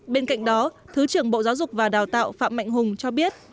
bên cạnh đó thứ trưởng bộ giáo dục và đào tạo phạm mạnh hùng cho biết